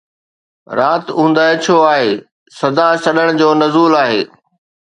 رات اوندهه ڇو آهي، صدا سڏڻ جو نزول آهي